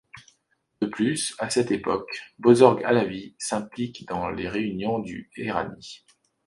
De plus, à cette époque, Bozorg Alavi s’implique dans les réunions du Erani.